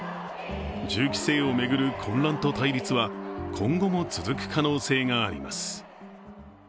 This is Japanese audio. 銃規制を巡る混乱と対立は今後も続く可能性があります。